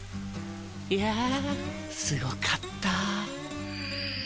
いやあすごかった。